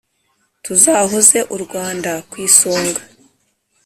tuzahoze u rwanda ku isonga